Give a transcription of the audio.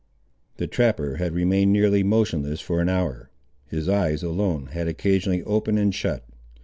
The trapper had remained nearly motionless for an hour. His eyes, alone, had occasionally opened and shut.